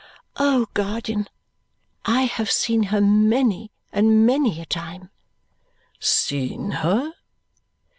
"Oh, guardian, I have seen her many and many a time!" "Seen her?"